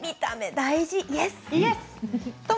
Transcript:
大事、イエス！